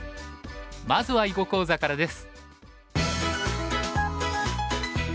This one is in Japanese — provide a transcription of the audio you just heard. まずは囲碁講座からです。